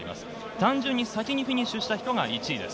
単純に先にフィニッシュした人が１位です。